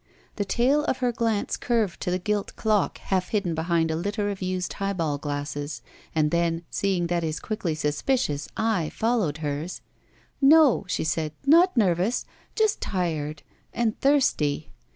The tail of her glance curved to the gilt dock half hidden behind a litter of used highball glasses, and then, seeing that his quiddy suspidous eye followed hers: No," she said, "not nervous. Just tired — and thirsty."